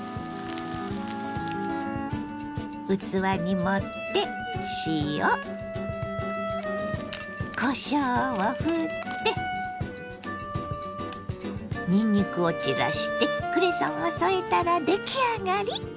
器に盛って塩こしょうをふってにんにくを散らしてクレソンを添えたら出来上がり！